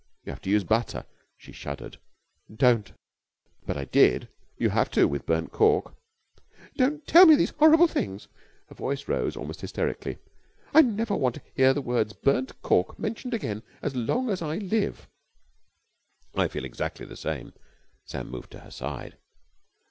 You have to use butter...." She shuddered. "Don't!" "But I did. You have to with burnt cork." "Don't tell me these horrible things." Her voice rose almost hysterically. "I never want to hear the words burnt cork mentioned again as long as I live." "I feel exactly the same." Sam moved to her side.